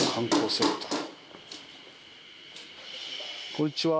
こんにちは。